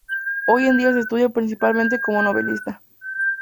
Hoy en día se estudia principalmente como novelista.